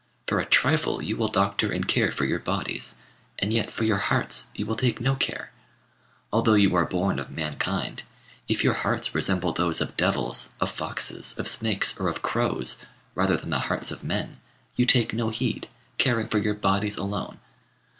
For a trifle, you will doctor and care for your bodies, and yet for your hearts you will take no care. Although you are born of mankind, if your hearts resemble those of devils, of foxes, of snakes, or of crows, rather than the hearts of men, you take no heed, caring for your bodies alone.